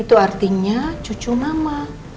itu artinya cucu mama